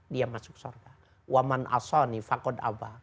dia masuk sorga